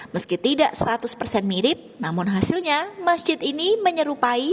meski tidak seratus persen mirip namun hasilnya masjid ini menyerupai